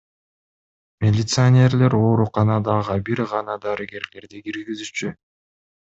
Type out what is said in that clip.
Милиционерлер ооруканада ага бир гана дарыгерлерди киргизишчү.